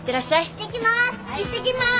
いってきます。